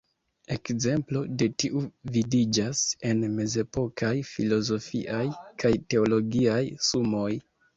Ekzemplo de tiu vidiĝas en mezepokaj filozofiaj kaj teologiaj sumoj.